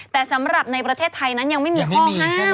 แต่สำหรับในประเทศไทยนั้นยังไม่มีข้อห้าม